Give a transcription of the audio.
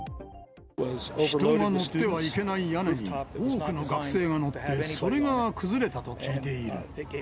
人が乗ってはいけない屋根に、多くの学生が乗って、それが崩れたと聞いている。